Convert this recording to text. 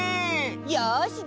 よしじゃあ